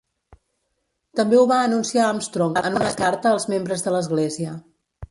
També ho va anunciar Armstrong en una carta als membres de l'església.